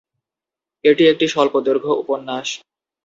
এটি একটি স্বল্প দৈর্ঘ্য উপন্যাস।